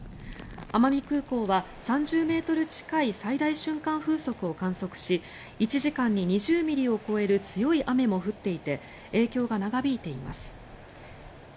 奄美空港は３０ｍ近い最大瞬間風速を観測し１時間に２０ミリを超える強い雨も降っていて影響が続いています。